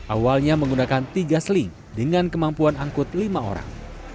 awalnya menggunakan tiga seling dengan kemampuan angkut lima orang